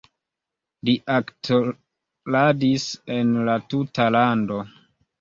Li aktoradis en la tuta lando.